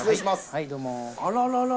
はいどうも。